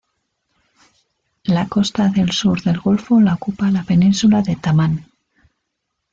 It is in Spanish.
La costa del sur del golfo la ocupa la península de Tamán.